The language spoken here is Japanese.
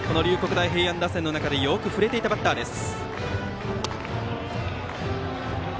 大平安打線の中でよく振れていたバッターです。